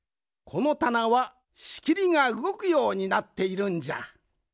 このたなはしきりがうごくようになっているんじゃ。